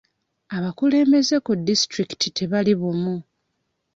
Abakulembeze ku disitulikiti tebali bumu.